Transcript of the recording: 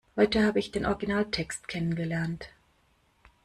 Heute habe ich den Originaltext kennengelernt.